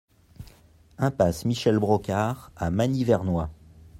Impasse Michel Brocard à Magny-Vernois